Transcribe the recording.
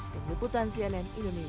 dari putan cnn indonesia